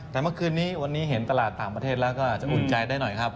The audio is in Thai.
แต่เมื่อคืนนี้วันนี้เห็นตลาดต่างประเทศแล้วก็อาจจะอุ่นใจได้หน่อยครับ